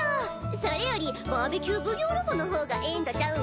それよりバーベキュー奉行ロボのほうがええんとちゃうん？